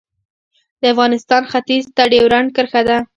د افغانستان ختیځ ته ډیورنډ کرښه ده